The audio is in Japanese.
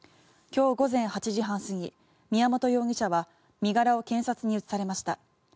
今日午前８時半過ぎ宮本容疑者は身柄を検察に移されました。